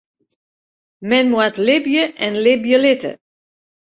Men moat libje en libje litte.